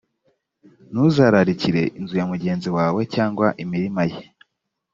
ntuzararikire inzu ya mugenzi wawe cyangwa imirima ye,